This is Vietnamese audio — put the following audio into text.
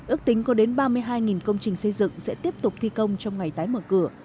ước tính có đến ba mươi hai công trình xây dựng sẽ tiếp tục thi công trong ngày tái mở cửa